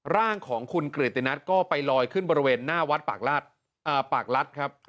ร่างของคุณเกรตินัทก็ไปลอยขึ้นบริเวณหน้าวัดปากรัฐครับ